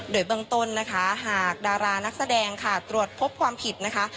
โดยเบื้องต้นนะคะหากดารานักแสดงค่ะตรวจพบความผิดนะคะ